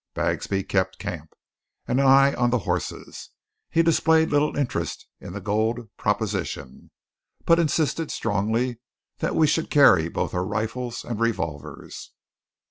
Bagsby kept camp, and an eye on the horses. He displayed little interest in the gold proposition; but insisted strongly that we should carry both our rifles and revolvers.